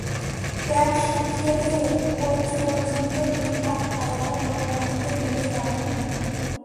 Pack শুকিয়ে গেলে কবজি পর্যন্ত দুই হাত হালকা গরম পানিতে ডুবিয়ে রাখুন।